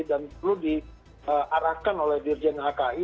dan perlu diarahkan oleh dirjen hki